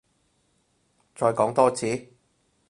再講多次？